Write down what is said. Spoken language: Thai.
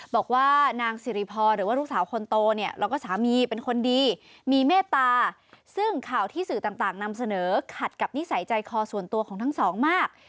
บอกว่านางสิริพรหรือว่าลูกสาวคนโตเนี่ยแล้วก็สามีเป็นคนดีมีเมตตาซึ่งข่าวที่สื่อต่างนำเสนอขัดกับนิสัยใจคอส่วนตัวของทั้งสองมาก